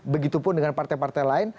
begitu pun dengan partai partai lain